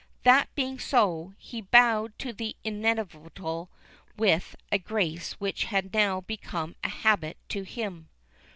That being so, he bowed to the inevitable with a grace which had now become a habit to him.